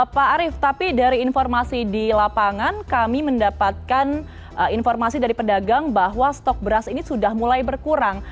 pak arief tapi dari informasi di lapangan kami mendapatkan informasi dari pedagang bahwa stok beras ini sudah mulai berkurang